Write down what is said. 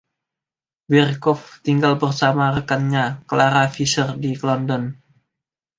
Berkoff tinggal bersama rekannya, Clara Fisher, di London.